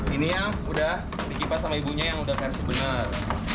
ini yang udah dikipas sama ibunya yang udah versi benar